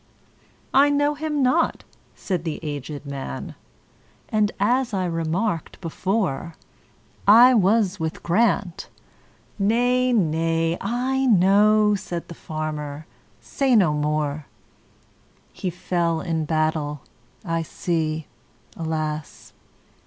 "I know him not," said the aged man,"And, as I remarked before,I was with Grant"—"Nay, nay, I know,"Said the farmer, "say no more:"He fell in battle,—I see, alas!